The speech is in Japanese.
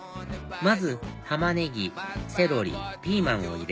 まずタマネギセロリピーマンを入れ